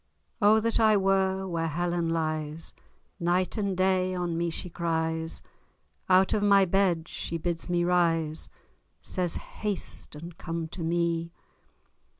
O that I were where Helen lies, Night and day on me she cries; Out of my bed she bids me rise, Says, "Haste and come to me!"